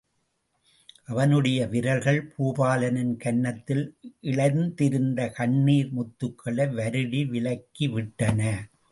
அவனுடைய விரல்கள் பூபாலனின் கன்னத்தில் இழைந்திருந்த கண்ணிர் முத்துகளை வருடி விலக்கி விட்டன.